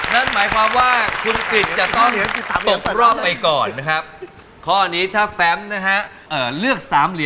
ถ้าผมไม่อยู่ตรงนี้น้องจะเลื่อนออกไหม